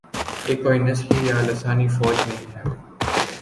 یہ کوئی نسلی یا لسانی فوج نہیں ہے۔